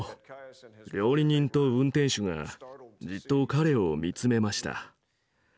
料理人と運転手がじっと彼を見つめました。